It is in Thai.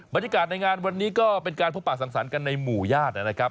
บรรยากาศในงานวันนี้ก็เป็นการพบป่าสังสรรค์กันในหมู่ญาตินะครับ